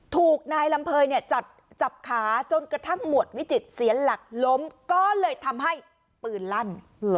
ถูกนายลำเภยเนี่ยจับขาจนกระทั่งหมวดวิจิตเสียหลักล้มก็เลยทำให้ปืนลั่น